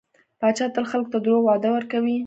پاچا تل خلکو ته دروغ وعده ورکوي .